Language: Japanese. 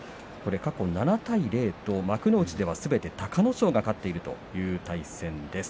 過去７回、幕内ではすべて隆の勝が勝っているという対戦です。